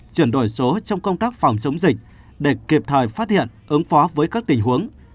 chuyển đổi số trong công tác phòng chống dịch để kịp thời phát hiện ứng phó với các tình huống